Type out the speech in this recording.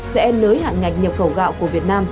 sẽ nới hạn ngạch nhập khẩu gạo của việt nam